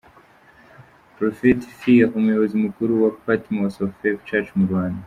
Prophet Fire umuyobozi mukuru wa Patmos of Faith church mu Rwanda.